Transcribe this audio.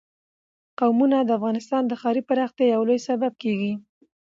قومونه د افغانستان د ښاري پراختیا یو لوی سبب کېږي.